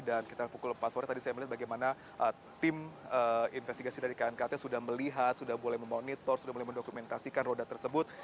dan sekitar pukul empat sore tadi saya melihat bagaimana tim investigasi dari knkt sudah melihat sudah boleh memonitor sudah boleh mendokumentasikan roda tersebut